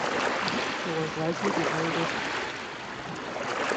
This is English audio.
He was likely the oldest of five brothers.